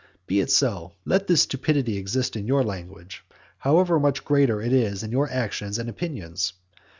Be it so. Let this stupidity exist in your language: how much greater is it in your actions and opinions!